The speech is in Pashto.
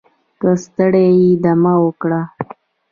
که ستړی یې دمه وکړه